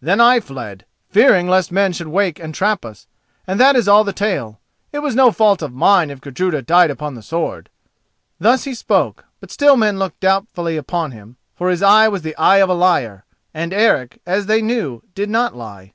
Then I fled, fearing lest men should wake and trap us, and that is all the tale. It was no fault of mine if Gudruda died upon the sword." Thus he spoke, but still men looked doubtfully upon him, for his eye was the eye of a liar—and Eric, as they knew, did not lie.